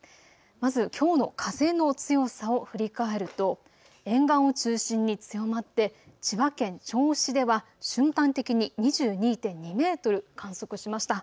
まずきょうの風の強さを振り返ると沿岸を中心に強まって千葉県銚子では瞬間的に２２．２メートルを観測しました。